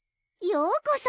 ようこそ